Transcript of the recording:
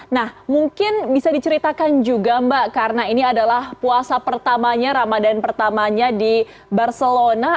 nah mungkin bisa diceritakan juga mbak karena ini adalah puasa pertamanya ramadan pertamanya di barcelona